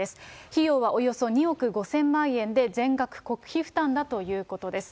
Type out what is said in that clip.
費用はおよそ２億５０００万円で、全額国費負担だということです。